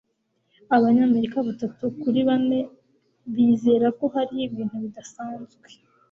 abanyamerika batatu kuri bane bizera ko hariho ibintu bidasanzwe